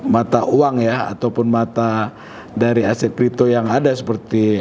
mata uang ya ataupun mata dari aset kripto yang ada seperti